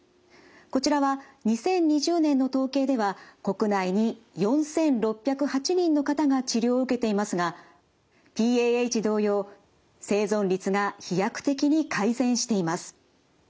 こちらは２０２０年の統計では国内に４，６０８人の方が治療を受けていますがＰＡＨ同様生存率が飛躍的に改善しています。